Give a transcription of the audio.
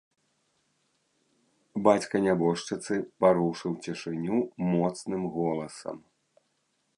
Бацька нябожчыцы парушыў цішыню моцным голасам.